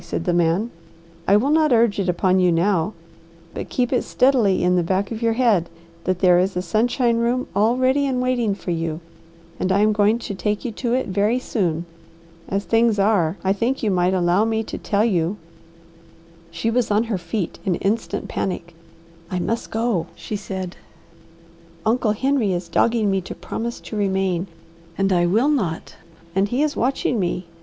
said the man. "I will not urge it upon you now, but keep it steadily in the back of your head that there is a sunshine room all ready and waiting for you, and I am going to take you to it very soon. As things are, I think you might allow me to tell you " She was on her feet in instant panic. "I must go," she said. "Uncle Henry is dogging me to promise to remain, and I will not, and he is watching me.